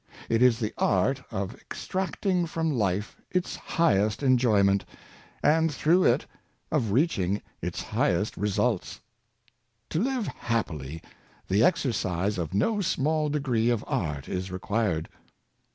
It is the art of extract ing from life its highest enjoyment, and through it, of reaching its highest results. To live happily, the exercise of no small degree of art is required.